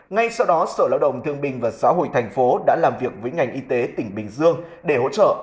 ngay sau đó sở lao động thương bình và xã hội thành phố đã làm việc với ngành y tế tỉnh bình dương để hỗ trợ